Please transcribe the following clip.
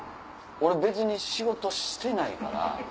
俺別に仕事してないから。